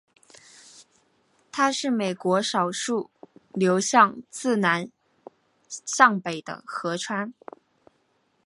它是美国少数流向自南向北的河川。